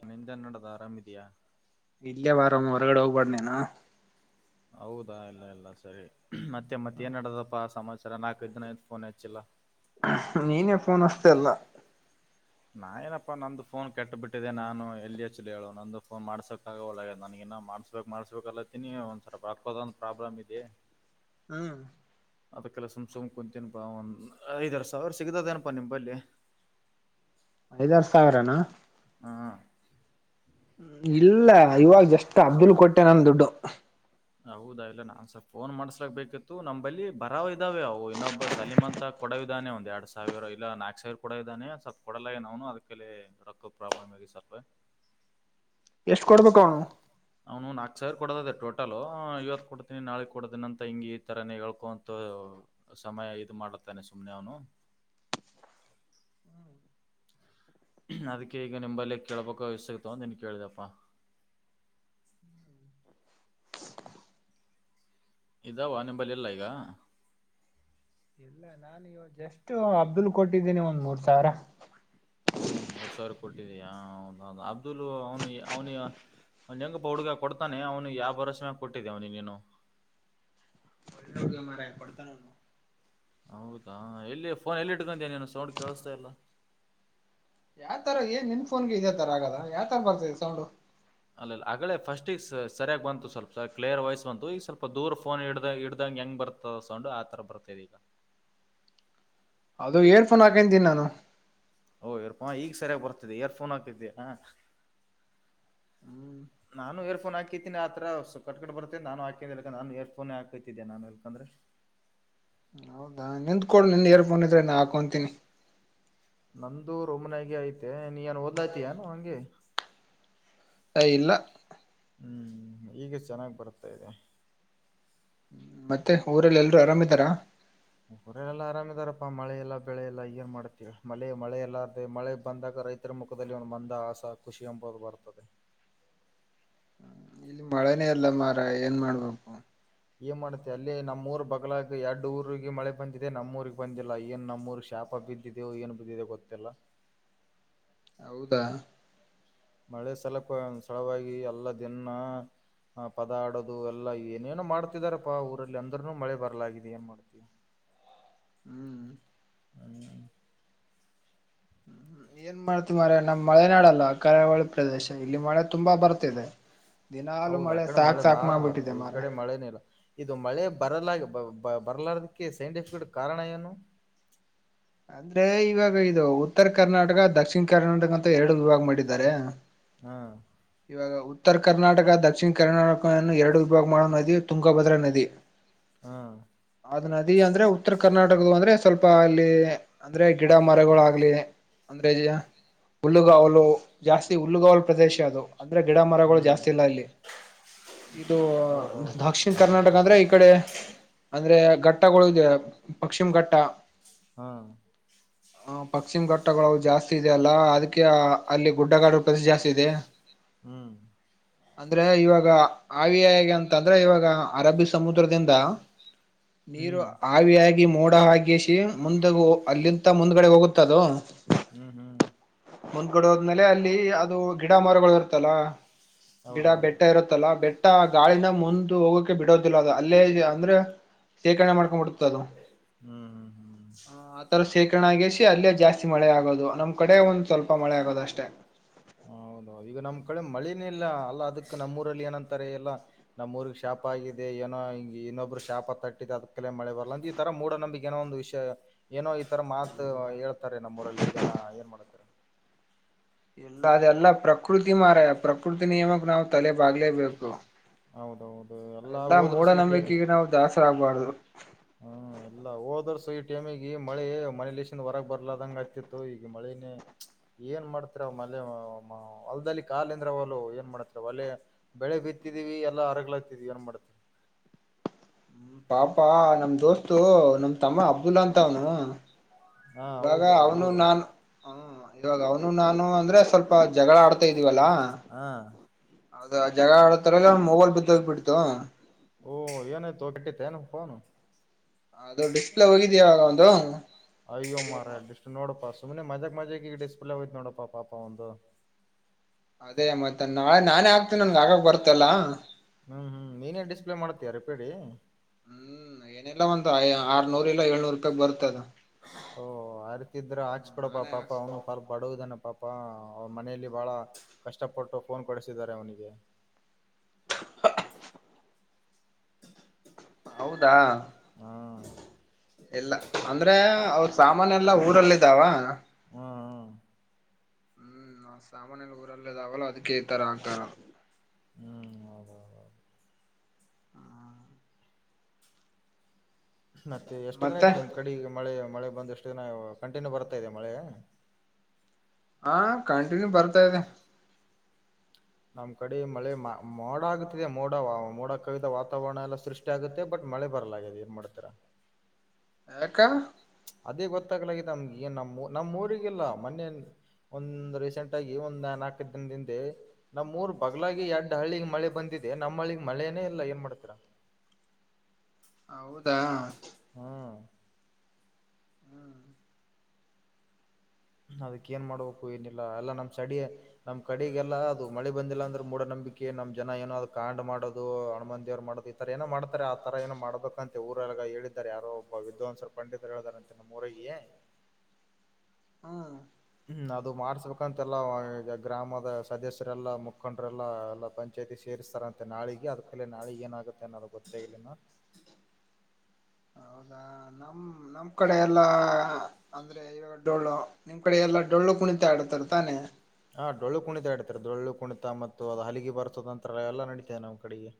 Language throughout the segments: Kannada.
ಇನ್ನಿಂದ ನಡದು ಆರಾಮ್ ಇದೆಯಾ. ಇಲ್ಲ ವಾರ ಹೊರಗಡೆ ಹೋಗ್ಬಾರ್ದ ನೇನು. ಹೌದಾ ಇಲ್ಲ ಇಲ್ಲ ಸರಿ ಮತ್ತೆ ಮತ್ತೆ ಏನ್ಡದಪ್ಪ ಆ ಸಮಾಚಾರ ನಾಲ್ಕೈದು ದಿನ ಫೋನ್ ಹಚ್ಚಿಲ್ಲ. ನೀನೇ ಫೋನ್ ಹಸ್ತಿ ಅಲ್ಲಾ. ನಾನಪ್ಪಾ ನಂದು ಫೋನ್ ಕೆಟ್ಟ ಬಿಟ್ಟಿದೆ ನಾನು ಎಲ್ಲಿ ಎಚ್ಲಿ ಹೇಳು ನಂದು ಫೋನ್ ಮಾಡಸೋಕ್ಕಾಗ ಒಳಗ ನನಗ ಇನ್ನ ಮಾಡ್ಸ ಮಾಡಸ್ಬೇಕಲ್ಲತ್ತೀನಿ ಒಂದ್ ಸ್ವಪ ರೋಕ್ಕೋದೊಂದು ಪ್ರಾಬ್ಲಮ್ ಇದೆ. ಹ್. ಅದಕ್ಕೆಲ ಸುಮ್ ಸುಮ್ ಕುಂತೀನಪಾ ಒಂದ್ ಐದರ ಸಾವಿರ ಸಿಗತದೇನಪಾ ನಿಮ್ಮಂಬಲ್ಲಿ. ಐದಾರು ಸಾವಿರನಾ. ಹಾ. ಇಲ್ಲ ಇವಾಗ ಜಸ್ಟ್ ಅಬ್ದುಲ್ ಕೊಟ್ಟೆ ನನ್ ದುಡ್ಡು. ಹೌದಾ ಇಲ್ಲ ನಾನ್ಸ ಸ್ವಲ್ಪ್ ಫೋನ್ ಮಾಡ್ಸ್ಲಕ್ ಬೇಕಿತ್ತು ನಂಬಲ್ಲಿ ಬರಾವ್ ಇದಾವೆ ಅವು ಇನ್ನೊಬ್ಬ ಸಲಿಮ ಅಂತ ಕೊಡವ ಇದಾನೆ ಒಂದ್ ಎರಡ್ ಸಾವಿರ ಇಲ್ಲ ನಾಕಕ್ ಸಾವಿರ ಕೊಡ ಇದ್ದಾನೆ ಸ್ವಪ ಕೊಡಲಾಗ ನ್ನು ಅದಕ್ಕೆ ರೊಕ್ಕ ಪ್ರಾಬ್ಲಮ್ ಆಗೇತಿ ಸ್ವಲ್ಪ್. ಎಷ್ಟು ಕೊಡ್ಬೇಕ ಅವನು. ಅವ್ನು ನಾಲ್ಕು ಸಾವಿರ ಕೊಡೋದದೆ ಟೋಟಲು ಇವತ್ತು ಕೊಡ್ತೀನಿ ನಾಳೆ ಕೊಡ್ತೀನಿ ಅಂತ ಹಿಂಗೆ ಈ ಥರಾನೇ ಹೇಳ್ಕೊ ಅಂತು. ಸಮಯ ಇದು ಮಾಡುತ್ತಾನೆ ಸುಮ್ನೆ ಅವನು ಅದಕ್ಕೆ ಈಗ ನಿಂಬಲ್ಲಿ ಕೇೇಳಬೇಕು ಎಷ್ಟ ಸಿಗ್ತಾವ ಅಂತ ನೀನ ಕೇಳಿದೆಪ್ಪ [inaudible] ಇದಾವ ನಿಂಬಲ್ಲಿ ಇಲ್ಲಾ ಈಗ ಇಲ್ಲ ನಾನು ಇವ ಜಸ್ಟ್ ಅಬ್ದುಲ್ ಕೊಟ್ಟಿದ್ದೀನಿ ಒಂದ್ ಮೂರ್ ಸಾವರ ಹ್ಮ್ ಮೂರ್ ಸಾವಿರ ಕೊಟ್ಟಿದ ಹೌದೌದು ಅಬ್ದುಲ್ ಅವನ ಅವನ ಅವನ್ ಹೆಂಗ್ ಬ ಹುಡುಗ ಕೊಡ್ತಾನೆ ಅವನು ಯಾವ ಭರವಸೆ ಮ್ಯಾಗ ಕೊಟ್ಟಿದ್ದೆ ಅವನಿಗೆ ನೀನು ಇಲ್ಲೋ ಮಾರಾಯ ಕೊಡ್ತಾನ ಅವ್ನು ಹೌದಾ ಎಲ್ಲಿ ಫೋನ್ ಎಲ್ಲಿ ಇಡ್ಕಂತ ನೀನು ಸೌಂಡ್ ಕೇಳಿಸ್ತಾ ಇಲ್ಲ. ಯಾವ ತರ ಏ ನಿನ್ಫೋನ್ ಇದೆ ತರ ಆಗದ ಯಾವ ತರ ಬರ್ತದೆ ಸೌಂಡ್ ಅಲ್ಲಲ್ಲ ಅಗೇ ಫಸ್ಟ್ ಈಗ ಸರಿಯಾಗಿ ಬಂತು ಸ್ಲ್ಪ ಸ ಕ್ಲಿಯರ್ ವಾಯ್ಸ್ ಬಂತು ಈಗ ಸ್ವಲ್ಪ ದೂರ್ ಫೋನ್ ಹಿಡ್ಗಗ್ ಹಿಡದಾಗ್ ಹೆಂಗ ಬರ್ತ ಸೌಂಡು ಆ ತರ ಬರ್ತಾ ಇದೆ ಈಗ ಅದು ಇಯರ್ಫೋನ್ ಹಾಕಂತೀ ನಾನು ಓ ಈರಫೋನ್ ಈಗ ಸರಿಯ ಬರ್ತಿದೆ ಇಯರ್ಫೋನ್ ಹಾಕಿದ್ಯಾ ಹ್ಮ್. ನಾನು ಯರ್ಫೋನ್ ಹಾಕಿತೀನಿ ಆರ ಸ ಕಟ್ ಕಟ್ ಬತತೆ ನಾನು ಹಾಕೆ ನಾನು ಏರ್ಫೋ ಹಾಕತಿದ್ದೆ ನಾನು ಎಳ್ಕಂದ್ರೆ ಹೌ ನಿಂತ್ಕ ಕೊಡ ನಿನ್ ಎರ್ಫೋನ್ ಇದ್ರೆ ನಾ ಹಾಕೊಂತಿನಿ. ನಂದುು ರೊಮ್ನಯಾಗ ಐತೆ ನೀ ಏನ್ ಓದ್ಲಾತಯಾನ ಹಂಗೆ ಏ ಇಲ್ಲ ಹ್ಞ ಈಗ ಚೆನ್ನಾಗಿ ಬರ್ತಾ ಇದೆ. ಮತ್ತೆ ಊರಲ್ಲ ಎಲ್ರರು ಆರಾಮ್ ಇದ್ದಾರಾ. ಊರಲ್ಲ ಎಲ್ಲಾ ಆರಾಮ್ ಇದಾರಪ್ಪಾ ಮಳೆ ಎಲ್ಲ ಬೆಳೆ ಎಲ್ಲ ಏನ್ ಮಾಡ್ತೀರ ಮಳೆ ಮಳೆ ಎಲ್ಲಾ ಅದೆ ಮಳೆ ಬಂದಾಗ ರೈತ ರೈತರ ಮುಖದಲ್ಲಿ ಒಂದು ಮಂದ ಆಸ ಖುಷಿ ಎಂಬುದು ಬರ್ತದೆ. ಇಲ್ಲಿ ಮಳೆನೇ ಎಲ್ಲ ಮಾರಯ ಏನ್ ಮಾಡಬ ಏನ್ ಮಾಡುತ್ತೆ ಅಲ್ಲಿ ನಮ್ಮೂರ್ ಬಲ ಎರಡು ಊರಿಗೆ ಮಳೆ ಬಂದಿದೆ ನಮ್ಮೂಊರಿಗೆ ಬಂದಿಲ್ಲ ಏನ್ ನಮ್ಮೂರ್ ಶಾಪ್ ಅ ಬಿದ್ದವು ಏನು ಬಿದ್ದಿದೆ ಗೊತ್ತಲ್ಲ. ಹೌದಾ? ಮಳೆ ಸಲಕ ಸಳವಾಗಿ ಅಲ್ಲ ಇದನ್ನ ಹ ಪದ ಆಡೋದು ಎಲ್ಲಾ ಏನೇನೋ ಮಾಡ್ತಿದಾರಪ್ಪಾ ಊರಲ್ಲಿ ಅಂದ್ರನು ಮಳೆ ಬರ್ಲಾಗಿದೆ ಏನ್ ಮಾಡ್ತಿವಿ. ಹ್ಮ್ ಹ್ಮ ಹ್ಮ ಏನ್ ಮಾಡ್ತೀ ಮಾರಯಾ ನಮ್ಮ್ ಮಳೆನಾಡಲ್ಲ ಕರಾವಳಿ ಪ್ರದೇಶ ಇಲ್ಲಿ ಮಳೆ ತುಂಬಾ ಬರ್ತಿದೆ. ದಿನಾಲೂ ಹೌದ ಆ ಕಡೆ ಸಾಕ್ ಮಳೆ ಸಾಕ್ ಬಾಳ ಮಾಡ್ಬಿಟ್ಟಿದೆ ಬರ್ತದೆ ಈ ಮಾರಾಯ. ಕಡೆ ಮಳೆನೇ ಇಲ್ಲ ಇದು ಮಳೆ ಬರಲ ಬರಲಾರದಕ್ಕೆ ಸೈಂಟಿಫಕ್ ಕಾರಣ ಏನು ಅಂದ್ರೆ ಇವಾಗ ಇದು ಉತ್ತರ ಕರ್ನಾಟಕ ದಕ್ಷಿಣ ಕರ್ನಾಟಕ ಅಂತ ಎರಡು ವಿಭಾಗ ಮಾಡಿದ್ದಾರೆ. ಹಾ ಇವಾಗ [unintelligible] ಉತ್ತರ ಕರ್ನಾಟಕ ದಕ್ಷಿಣ ಕರ್ನಾಟಕವನ್ನು ಎರಡು ವಿಭಾಗ ಮಾಡುವ ನದಿ ತುಂಗಭದ್ರಾ ನದಿ. ಹಾ ಅದ್ ನದಿ ಅಂದ್ರೆ ಉತ್ತರ ಕರ್ನಾಟಕದು ಅಂದ್ರೆ ಸ್ವಲ್ಪ ಅಲ್ಲಿ ಅಂದ್ರೆ ಗಿಡ ಮರಗಳ ಆಗ್ಲಿ ಅಂದ್ರೆ ಹುಲ್ಲುಗಾವಲು ಜಾಸ್ತಿ ಹುಲ್ಲುಗಾವಲು ಪ್ರದೇಶ ಅದು ಅಂದ್ರೆ ಗಿಡ ಮರಗಳು ಹ್ಮ್ ಜಾಸ್ತಿ ಇಲ್ಲ ಇಲ್ಲಿ ಇದು ಹೌದೌದು ದಕ್ಷಿಣ ಕರ್ನಾಟಕ ಅಂದ್ರೆ ಈ ಕಡೆ ಅಂದ್ರೆ ಘಟ್ಟಗಳು ಇದದೆ ಪಕ್ಷಿಮ ಘಟ್ಟ ಹಾ ಹ ಪಕ್ಷಿಮ ಘಟ್ಟಗಳು ಜಾಸ್ತಿ ಇದೆ ಅಲ್ಲ ಅದಕ್ಕೆ ಅಲ್ಲಿ ಗುಡ್ಡಗಾಡು ಪ್ರದೇಶ ಜಾಸ್ತಿ ಇದೆ ಹ್ಮ್ ಅಂದ್ರೆ ಇವಾಗ ಆವಿಯಾಗಿ ಅಂತ ಅಂದ್ರೆ ಇವಾಗ ಅರಬ್ಬಿ ಸಮುದ್ರದಿಂದ ನೀರು ಹ್ಮ್ ಹವಿಯಾಗಿ ಮೋಡ ಹಾಗಿಸಿ ಮುಂದ ಅಲ್ಲಿಂತ ಮುಂದ್ಗಡೆ ಹೋಗುತ್ತದ ಹ್ಮ್ ಹ್ಮ್ ಮುಂದ್ಗಡೋದ್ಲೆ ಅಲ್ಲಿ ಅದು ಗಿಡ ಮರಗಳು ಇರುತ್ತಲ್ಲ ಗಿಡ ಹೌದೌದು ಬೆಟ್ಟ ಇರುತ್ತಲ್ಲಾ ಬೆಟ್ಟ ಗಾಳಿನ ಮುಂದ ಹೋಗೋಕೆ ಬಿಡೋದಿಲ್ಲ ಅ ಅಲ್ಲೇ ಅಂದ್ರೆ ಶೇಖರಣೆ ಮಾಡ್ಕೊಂಡ್ಬಿಡ್ತ ಅದು ಹ್ಮ್ ಹ್ಮ್ ಹ್ಮ್ ಈ ತರ ಶೇಕರಣ ಆಗಿಸಿ ಅಲ್ಲೇ ಜಾಸ್ತಿ ಮಳೆ ಆಗೋದು ನಮ್ಮ್ ಕಡೆ ಒಂದ್ ಸ್ವಲ್ಪ ಮಳೆ ಆಗೋದ ಅಷ್ಟೇ ಹೌದ ಈಗ ನಮ್ ಕಡೆ ಮಳೇನ ಇಲ್ಲ ಅಲ್ಲ ಅದಕ್ ನಮ್ಮೂರಲ್ಲಿ ಏನಂತಾರೆ ಎಲ್ಲಾ ನಮ್ಮ್ಊರ್ಗ್ ಶಾಪ ಆಗಿದೆ ಏನೋ ಹಿಂಗೆ ಇನ್ನೊಬ್ಬರು ಶಾಪ ತಟ್ಟಿದೆ ಅದ್ ಕಲೇ ಮಳೆ ಬರ್ಲಂದ ಇ ಈ ತರ ಮೂಡ ನಂಬಿ ಏನೋ ಒಂದು ವಿಷಯ ಏನೋ ಈ ತರ ಮಾತ ಹೇಳ್ತಾರೆ ನಮ್ಮ ಊರಲ್ಲಿ ಜನ ಏನ್ ಮಾಡತೀರ. ಎಲ್ಲ ಅದೆಲ್ಲ ಪ್ರಕೃತಿ ಮಾರಯಾ ಪ್ರಕೃತಿ ನಿಯಮಕ್ಕೆ ನಾವ್ ತಲೆ ಬಾಗ್ಲೇಬೇಕು ಹೌದೌದು ಎಲ್ಲಾ ಅಂತ ಹೋದ್ರು ಸೀಟಿ ಮೂಢನಂಬಿಕೆಗ ನಾವು ದಾಸ್ರ ಆಗ್ಬಾರ್ದು ಹ್ಮ್ ಎಲ್ಲ ಹೋದರ್ಸು ಈ ಟೈಮಿಗೆ ಮಳೆ ಮನೇಲಿಸಿಂದ ಹೊರಗ್ ಬರ್ಲದಂಗ ಆಗ್ತಿತ್ತು ಈಗ ಮಳೆನೇ ಇಲ್ಲ ಏನ್ ಮಾಡ್ತರ ಮೆ ಹೊಲ್ದಲ್ಲಿ ಕಾಲಂದ್ರ ಒಲು ಏನ್ ಮಾಡ್ತ ಒಳ್ಳೆ ಬೆಳೆ ಬಿತ್ತಿದಿವವಿ ಎಲ್ಲ ಅರಗ್ಗಳಾತಿದವಿ ಏನ್ ಮಾಡ್ತೆ ಪಾಪಾ ನಮ್ ದೋಸ್ತು ನಮ್ ತಮ್ಮ ಅಬ್ದುಲ್ಲಾ ಅಂತ ಅವನು ಹಾ ಇವಾಗ ಹೌದು ಅವನು ಅಬ್ದುಲ್ ನಾನು ಹ್ಮ ಇವಾಗ ಅವನು ನಾನು ಅಂದ್ರೆ ಸ್ವಲ್ಪ ಜಗಳ ಆಡ್ತಾ ಇದ್ದೀವಲ್ಲಾ ಹಾ ಅದ ಜಗ [unintelligible] ಆಡತರ ಎಲ್ಲ ಮೋಗೋಲ್ ಬಿದ್ದೋಗ್ ಬಿಡ್ತು ಓ ಇನ ತ ಬಿಟ್ಟ [unintelligible] ತನೆಫೋನ್ ಅದು ಡಿಸ್ಪ್ಲೇ ಹೋಗಿದ್ಯವಾಗ ಒಂದು ಅಯೋ ಮಾರಯ್ರೆ ನೋಡಪ್ಪಾ ಸುಮ್ಮನೆ ಮಜಾ ಮಜೆ ಈಗ ಡ್ಲೇ ಆಯ್ತ ನೋಡಪ್ಪ ಪಾಪಾ ಒಂದು ಅದೇ ಮತ್ತೆ ನಾಳೆ ನಾನೇ ಆಕ್ತೀನಿ ನನ್ಗೆ ಆಕ್ ಬರುತ್ತಲ್ಲಾ ಹ್ಮ್ ಹ್ಮ್ ನೀನೇ ಡಿಸ್ಪ್ಲೇ ಮಾಡ್ತೀಯ ರಿಪೇಡಿ ಇಲ್ಲ ಒಂದ ಆರ್ನೂರ್ ಇಲ್ಲ ಏಳ್ನುರ ರೂಪಾಯಕ್ ಬರುತ್ತೆ ಅದ್ ಓ ಹರ್ತಿದ್ರ ಹಾಕ್ಸಿಬೀಡಪಾ ನಾನೇ ಪಾಪ ಹಾಕ್ಸ್ ಅವನು ಪರ್ಬ ಬಡುವಿದನ ಪಾಪ ಅವನ ಮನೆಯಲ್ಲಿ ಬಹಳ ಕಷ್ಟಪಟ್ಟು ಫೋನ್ ಕೊಡಿಸಿದ್ದಾರೆ ಅವನಿಗೆ ಹಾ ಹೌದಾ ಹ್ಮ್ ಇಲ್ಲ ಅಂದ್ರೆ ಅವ್ರ ಸಾಮಾನ್ ಎಲ್ಲಾ ಊರಲ್ಲ ಇದಾವ ಹ್ಮ್ ಹ್ಮ್ ಅವರ ಸಾಮಾನ್ಯೆಲ ಊರಲ್ಲಿದಾವಲ್ಲ ಅದಕ್ಕೆ ಈ ತರ ಆಗ್ತಾಯಿರದ್ ಹ್ಮ್ ಹೌದೌದ ಹೌದ್ ಹ್ಮ್ ಮತ್ತೆ ಎಷ್ಟ ದಿನ ಮತ್ತೆ ಆಯ್ತ ನಿಮ್ ಕಡಿಗ ಮಳೆ ಮಳೆ ಬಂದ ಎಷ್ಟ ದಿನ ಕಂಟಿನ್ಯೂ ಬರ್ತಾ ಇದೆಯಾ ಮಳೆ ಹಾ ಕಂಟಿನ್ಯೂ ಬರ್ತಾ ಇದೆ ನಮ್ಮ್ ಕಡಿ ಮಳೆ ಮೋಡ ಆಗತಿದೆ ಮೋಡ ಮೋಡ ಕವಿದ ವಾತಾವರಣ ಎಲ್ಲಾ ಸೃಷ್ಟಿ ಷ್ಟಿ ಆಗುತ್ತೆ ಬಟ್ ಮಳೆ ಬರಲಾಗಿದೆೆ ಏನ್ ಮಾಡ್ತಿರಾ ಯಾಕ್ ಅದೇ ಗೊತ್ತಾಗ್ಲಾಗೆದ ನಮ್ಗೆನ್ ನಮ್ಮ್ ನಮ್ಮ್ ಊರಿಗಿಲ್ಲ ಮನ್ನೆ ಒಂದ ರೀಸೆಂಟ್ ಆಗಿ ಒಂದ್ ನಾಲ್ಕ ಐದ್ ದಿನದಿಂದೆ ನಮೂರ್ ಬಗ್ಲಾಗಿ ಎಡ್ ಹಳ್ಳಿಗ್ ಮಳೆ ಬಂದಿದೆ ನಮ್ಮ್ ಹಳ್ಳಿಗ್ ಮಳೆನೇ ಇಲ್ಲ ಏನ್ ಮಾಡ್ತಿರಾ ಹೌದಾ ಹ್ಮ್ ಹ್ಮ್ ಅದಕ್ಕ ಏನ್ ಮಾಡ್ಬೇಕು ಏನಿಲ್ಲ ಎಲ್ಲಾ ನಮ್ಮ್ ಸಡಿ ನಮ್ ಕಡಿಗೆಲ್ಲ ಅದು ಮಳಿ ಬಂದಿಲ್ಲ ಅಂದ್ರ ಮೂಢ ನಂಬಿಕೆ ನಮ್ ಜನ ಏನೋ ಅದ ಕಾಂಡ್ ಮಾಡೋದು ಹಣಮನ್ ದೇವ್ರ ಮಾಡೋದ ತರ ಏನೋ ಮಾಡ್ತಾರೆ ಆತುರ ಏನೋ ಮಾಡಬೇಕಂತೆ ಊರೊಳಗ ಹೇಳಿದ್ದಾರೆ ಯಾರೋಬ್ಬ ವಿದ್ವಾಂಸರು ಪಂಡಿತರು ಹೇಳಿದಾರ ಅಂತೆ ನಮೂರಿಗೆ ಹ್ಮ್ ಹ್ಮ ಅದು ಮಾಡ್ಸ್ಬೇಕಂತೆಲ್ಲ ಈಗ ಗ್ರಾಮದ ಸದಸ್ಯರೆಲ್ಲಾ ಮುಖಂಡರೆಲ್ಲಾ ಎಲ್ಲ ಪಂ ಪಂಚಾಯತಿ ಸೇರಿಸ್ತಾರಂತೆ ನಾಳಿಗೆ ಅದಕಲ್ಲೇ ನಾಳಗ್ ಏನಾಗತ್ತೆ ಅನ್ನೋದು ಗೊತ್ತಾಗಿಲಿ ಇನ್ನ್ ಹೌದಾ ನಮ ನಮ್ ಕಡೆ ಎಲ್ಲಾ ಅಂದ್ರೆ ಇವಾಗ ಡೊಳ್ಳು ನಿಮ್ ಕಡೆ ಎಲ್ಲಾ ಡೊಳ್ಳು ಕುಣಿತಾ ಆಡತಾರ ತಾನೆ ಹಾ ಡೊಳ್ಳು ಕುಣಿತ ಆಡಿತಾರೆ ಡೊಳ್ಳು ಕುಣಿತ ಮತ್ತು ಅದು ಹಲಿಗಿ ಬರತದಂತ್ರ ಎಲ್ಲ ನಡಿತದೆ ನಮ್ಮ್ ಕಡಿಗಿ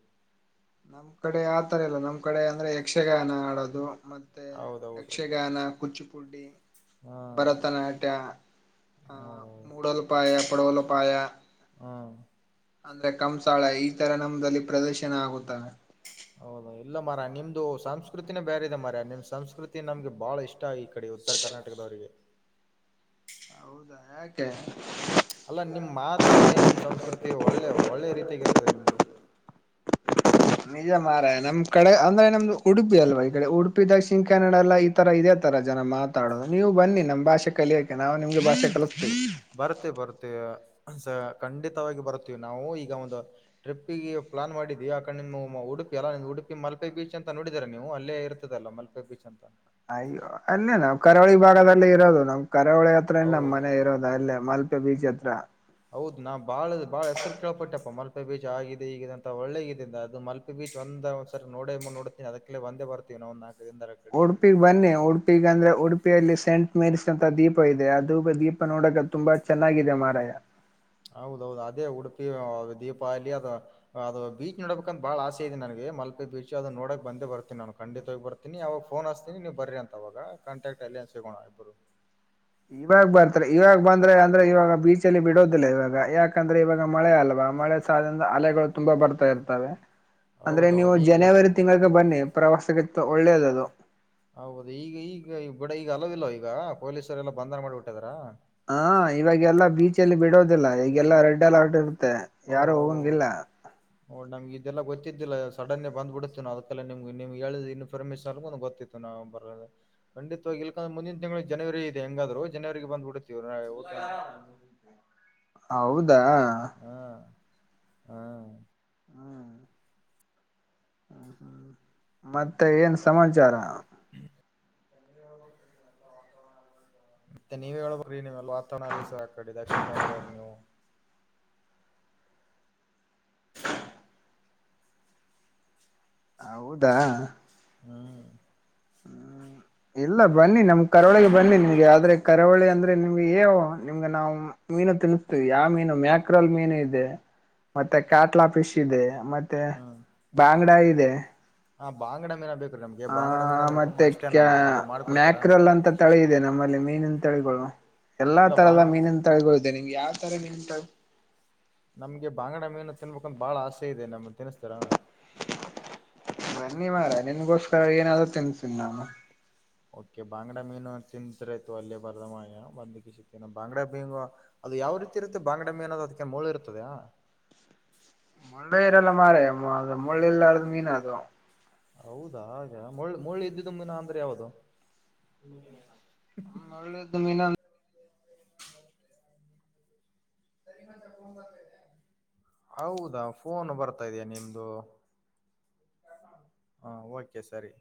ನಮ್ ಕಡೆ ಆತರ ಇಲ್ಲ ನಮ್ ನಮ್ಮ ಕಡೆ ಅಂದ್ರೆ ಯಕ್ಷಗಾನ ಆಡೋದು ಮತ್ತೆ ಹೌದೌದು ಯಕ್ಷಗಾನ ಕುಚ್ಚುಪುಡ್ಡಿ ಹಾ ಭರತನಾಟ್ಯ ಆ ಹೌದೌದು ಮೂಡೋಲಪಾಯ ಪಡವಲಪಾಯ ಹಾ ಅಂದ್ರೆ ಕಂಸಾಳ ಈ ತರ ನಮದಲ್ಲಿ ಪ್ರದರ್ಶನ ಆಗುತ್ತಾವೆ ಹೌದಾ ಇಲ್ಲ ಮಾರಾಯ ನಿಮ್ದು ಸಂಸ್ಕೃತಿನೇ ಬೇರೆ ಇದೆ ಮಾರಾಯ ನಿಮ್ ಸಂಸ್ಕೃತಿ ನಮ್ಗೆ ಬಾಳ ಇಷ್ಟ ಆ ಕಡಿ ಉತ್ತರ ಕರ್ನಾಟಕದವರಿಗಿ ಹೌದಾ ಯಾ ಕೆ ಅಲ್ಲ ನಿಮ್ಮ್ ಮಾತಾಲಿ ನಿಮ್ಮ್ ಸಂಸ್ಕೃತಿ ಒಳ್ಳೆ ಒಳ್ಳೆ ರೀತಿಯಾಗಿ ಇರ್ತದೆ ನಿಮ್ದು ನಿಜ ಮಾರಾಯ ನಮ್ ಕಡೆ ಅಂದ್ರೆ ನಮ್ದು ಉಡುಪಿ ಅಲ್ವಾ ಈ ಕಡೆ ಉಡುಪಿ ದಕ್ಷಿಣ ಕನ್ನಡ ಎಲ್ಲ ತರ ಇದೆ ತರ ಜನ ಮಾತಾಡೋದು ನೀವು ಬನ್ನಿ ನಮ್ ಭಾಷೆ ಕಲಿಯಕ್ಕೆ ನಾವು ನಿಮ್ಗೆ ಭಾಷೆ ಕಲಿಸ್ತೀವಿ ಬರ್ತಿವ ಬರ್ತೀವ ಸ ಖಂಡಿತವಾಗಿ ಬರ್ತೀವಿ ನಾವು ಈಗ ಒಂದು ಟ್ರಿಪ್ಗೆ ಪ್ಲಾನ್ ಮಾಡಿದಿವಿ ಆಕಡೆ ನಿಮ್ಮ ಉಡುಪಿ ಅಲ್ಲ ಉಡುಪಿ ಮಲ್ಪೆ ಬೀಚ್ ಅಂತ ನೋಡಿದಿದ್ದಾರೆ ನೀವು ಅಲ್ಲೇ ಇರ್ತದಲ್ಲ ಮಲ್ಪೆ ಮಲ್ಪೆ ಬೀಚ್ ಅಂತ ಅಯ್ಯೋ ಅಲ್ಲೇ ನಾವ್ ಕರಾವಳಿ ಭಾಗದಲ್ಲಿ ಇರೋದು ನಮ್ ಕರಾವಳಿ ಹತ್ರ ನಮ್ ಹೌದು ಮನೆ ಇರೋದು ಅಲ್ಲೇ ಮಲ್ ಬೀಚ್ ಅತ್ರ ಹೌದು ನಾ ಬಾಳ ಬಾಳ ಹೆಸರು ಕೇಳಳ್ಪಟ್ಟಪ್ಪ ಮಲ್ ಮಲ್ಪೆ ಬೀಚ್ ಆಗಿದೆ ಈಗಿದೆ ಅಂತ ಒಳ್ಳೇಗಿದೆ ಅದು ಮಲ್ಪೆ ಬೀಚ್ ಒಂದ ಒಂದ ಸರ್ ನೋ ನೋಡ್ತೀನಿ ಅದಕ್ಕೆೇ ಒಂದೇ ಬರ್ ತಿ ನ [unintelligible] ಉಡುಪಿಗ್ ಬನ್ನಿ ಉಡುಪಿಗ ಅಂದ್ರೆ ಉಡುಪಿಯಲ್ಲಿ ಸೇಂಟ್ ಮೇರಿಸೀಸ್ ಅಂತ ದೀಪ ಇದೆ ಅದುಬ ದೀಪ ದೀಪ ನೋಡಕ ತುಂಬಾ ಚೆನ್ನಾಗಿದೆ ಮಾರಾಯ ಹೌದೌದು ಅದೇ ಉಡುಪಿ ದೀಪಾದಿ ಅಥವಾ ಅದು ಬೀಚ್ ನೋಡ್ಬೇಕ್ ಅಂತ ಬಾಳ ಆಸೆ ಇದೆ ನನಗೆ ಮಲ್ಪೆ ಬೀಚ್ ಅದು ನೋಡಕ್ ಬಂದೇ ಬರ್ತೀನ ನನ್ಗೆ ಖಂಡಿತವಾಗಿ ಬರ್ತೀನಿ ಅವಾಗ ಫೋನ್ ಹಸ್ತೀ ನೀವು ಬನ್ ಅಂತ ಅವಾಗ ಕಾಂಟಕ್ಟ್ ಅಲ್ಲಿ ಅನ್ ಸಿಗೋಣ ಇಬ್ಬರು ಇವಾಗ ಬರ್ತಾರೆ ಇವಾಗ ಬಂದ್ರೆ ಅಂದ್ರೆ ಇವಾಗ ಬೀಚಲ್ಲಿ ಬಿಡೋದಿಲ್ಲ ಇವಾಗ ಯಾಕಂದ್ರೆ ಇವಾಗ ಮಳೆ ಅಲ್ವಾ ಮಳೆ ಅಲೆಗಳು ತುಂಬಾ ಬರ್ತಾ ಇರ್ತವೆ ಅಂದ್ರೆ ನೀವು ಹೌದೌದು ಈಗ ಜನವರಿ ತಿಂಗಳಿಗೆ ಬನ್ನಿ ಪ್ರವಾಸಕ್ಕೆ ಒಳ್ಳೇದ ಅದು ಹೌದು ಈಗ ಈಗ ಬಿಡ ಈಗ ಅಲೋ ಇಲ್ಲ ಈಗ ಪೊಲೀಸರೆ ಎಲ್ಲಾ ಬಂಧನ ಮಾಡಿಬಿಟ್ಟಿದಾರ ಹಾ ಇವಾಗೆಲ್ಲಾ ಬೀಚ್ಲ ಬಿಡೋದಿಲ್ಲ ಈಗೆಲ್ಲಾ ರೆಡ್ ಅಲರ್ಟ್ ಇರುತ್ತೆ ಯಾರು ಹೋಗಂಗಂಗಿಲ್ಲ ಹ ನಮ್ಗೆ ಇದೆಲ್ಲ ಗೊತ್ತಿದ್ದಿಲ್ಲ ಸಡನ್ನೇ ಬಂದ್ ಬಿಡುತ್ತ ನ ಅದಕ್ಕೆಲ್ಲ ನಿಮ್ಗೆ ಹೇಳಿದ ಇನ್ಫರ್ಮೇನ್ಲ್ಗು ಗೊತ್ತತ್ತು ನಾವು ಬರ ಖಂಡಿತವಾಗಿ ಇಲ್ಕ ಮುಂದಿನ ತಿಂಗಳು ಜನವರಿ ಇದೆ ಹೆಂಗಾದ್ರು ಜನವರಿಗೆ ಬಂದ್ಬಿಡ್ತ್ತವ ಹೌದಾ ಹಾ ಹಾ ಹ್ಮ್ ಹ್ಮ್ ಹ್ಮ್ ಮತ್ತೆ ಏನು ಸಮಾಚಾರ? ಹ್ಮ ಮತ್ತೆ ನೀವೇ ಹೇಳಬರ್ರೀ ನೀವು ವಾತಾವರಣ ಅಲ್ಲ ಸ ಆಕ ಕಡಿ ದಕ್ಷಿಣ ಕನ್ನಡದವ್ರರು ನೀವು ಹೌದಾ? ಹ್ಮ್ ಇಲ್ಲ ಬನ್ನಿ ನಮ್ ಕರಾವಳಿಗೆ ಬನ್ನಿ ನಿಮ್ಗೆ ಆದ್ರೆ ಕರಾವಳಿ ಅಂದ್ರೆ ನಿಮ್ಗೆ ಏವು ನಿಮ್ಗೆ ನಾವು ಮೀನು ತಿನ್ಸ್ತೀವಿ ಯಾವ ಮೀನು ಮ್ಯಾಕ್ರಾಲ್ ಮೀನು ಇದೆ ಮತ್ತೆ ಕ್ಯಾಟ್ಲಾ ಫಿಶ್ ಇದೆ. ಮತ್ತೆ ಬಂಗ್ಡಾ ಇದೆ ಹಾ ಬಾಂಗಡಾ ಮೀನಾ ಬೇಕು ನಾಮಗೆ ಆ ಬಾಂಗಡ ಮೀನು ಅಂದ್ರೆ ಮತ್ತೆ ತುಂಬಾ ಇಷ್ಟೇ ಕ್ಯಾ ನಮಗೆ ಅದು ಮಾಡ್ ಕೊಡ್ತೀರಾ ಮ್ಯಾಕ್ರಲ್ ಅಂತ ತಳಿ ಇದೆ ನಮ್ಮಲ್ಲಿ ಮೀನಿನ ತಳಿಗಳು ಎಲ್ಲಾ ಇಲ್ಲ ತರಹದ ಬಾಂಗ್ ಮೀನಿನ ತಳಿಗಳು ಇದೆ ನಿಮ್ಗೆ ಯಾವ ತರ ಮೀನ ತಿ ನಮ್ಗೆ ಬಾಂಗಡಾ ಮೀನು ತಿನ್ಬೇಕಂದ ಬಾಳ ಆಸೆ ಇದೆ ನಮ್ಗೆ ತಿನ್ಸತಿರಾ ಬನ್ನಿ ಮರ್ರೆ ನಿನ್ಗೋಸ್ಕರ ಏನಾದ್ರು ತಿನ್ಸಿ ನಾ ಓಕೆ ಬಾಂಗಡ ಮೀನು ತಿಂತತ್ರಾಯತ ಅಲ್ಲಿ ಬರ್ದ ಮ ಬಂದ [unintelligible] ಬಂಗಾಡಾ ಮೀನು ಅದು ಯಾವ ರೀತಿ ಇರುತ್ತೆ. ಬಾಂಗಡಾ ಮೀನ್ ಅನ್ನೋದು ಅದಕ್ಕೆ ಮೂಳೆ ಇರ್ತದಾ ಮುಳ್ಳೆರೆಲ್ಲ ಮಾರಯಾ ಮುಳ್ಳೆಲ್ಲಾರ್ದ ಮೀನು ಅದು ಹೌದಾ ಹಾಗೆ ಮುಳ್ ಮುಳ್ ಇದ್ದು ಮೀನು ಅಂದ್ರೆ ಯಾವದು ಜಮೀನಾ [unintelligible] ಹೌ [inaudible] ತರಿ ಮಾತ್ತ ನ್ ಬತ [inaudible] ಹೌದಾ ಫೋನ್ ಬರ್ತಾ ಇದಯಾ ನಿಮ್ದು? ಹಾ ಓಕೆ ಸರಿ.